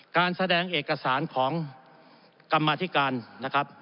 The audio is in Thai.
การแสดงเอกสารของกรรมธิการนะครับ